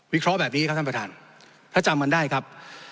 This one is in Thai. เคราะห์แบบนี้ครับท่านประธานถ้าจำมันได้ครับ